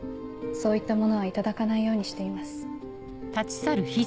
そういったものは頂かないようにしています。